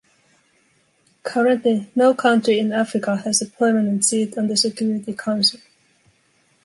Currently, no country in Africa has a permanent seat on the Security Council.